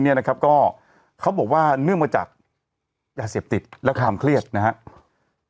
เขาบอกว่าเนื่องมาจากยาเสียบติดและความเครียดนะครับ